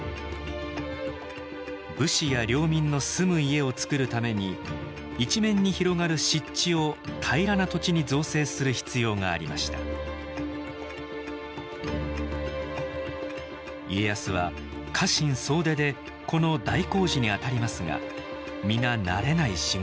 武士や領民の住む家をつくるために一面に広がる湿地を平らな土地に造成する必要がありました家康は家臣総出でこの大工事にあたりますが皆慣れない仕事。